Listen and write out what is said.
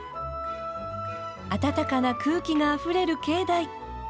温かな空気があふれる境内。